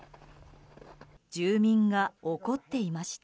住民が怒っていました。